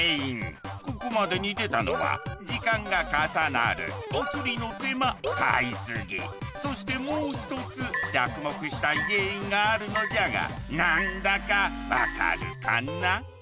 ここまでに出たのは時間が重なるおつりの手間買いすぎそしてもう一つ着目したい原因があるのじゃが何だか分かるかな？